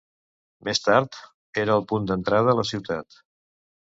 Més tard era el punt d'entrada a la ciutat.